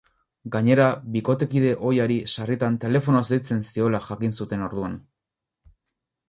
Gainera, bikotekide ohiari, sarritan, telefonoz deitzen ziola jakin zuten orduan.